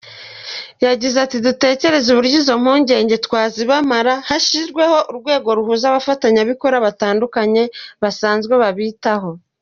Yagize ati ”Dutekereze uburyo izo mpungenge twazibamara, hashyirweho urwego ruhuza abafatanyabikorwa batandukanye basanzwe babitaho.